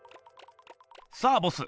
さあボス